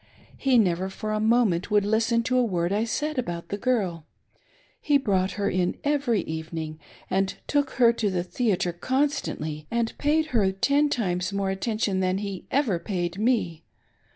He never for a moment would listen to a word I said about the girl ; he brqught her in every evening and took her to the theatre cdnstantly, and paid her ten times more atten tion than he ever paid me.